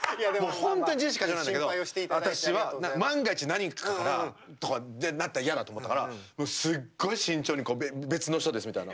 本当に自意識過剰なんだけど私は万が一何かからとかでなったら嫌だと思ったからすっごい慎重に別の人ですみたいな。